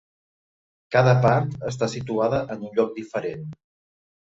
Cada part està situada en un lloc diferent.